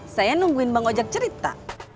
saya nungguin bang ojek cerita